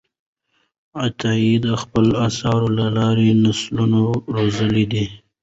عطایي د خپلو آثارو له لارې نسلونه روزلي دي.